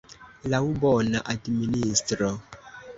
Laŭ bona administro.